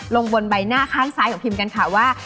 ลงบนใบหน้าข้างซ้ายของพิมกันค่ะว่า